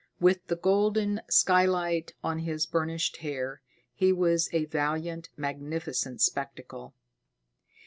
With the golden skylight on his burnished hair, he was a valiant, magnificent spectacle.